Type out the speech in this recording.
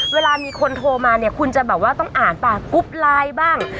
เวลามีคนโทรมาเนี่ยคุณจะแบบว่าต้องอ่านบ้างกรุ๊ปไลน์บ้าง